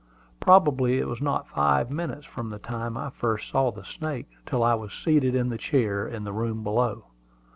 Probably it was not five minutes from the time I first saw the snake till I was seated in the chair in the room below.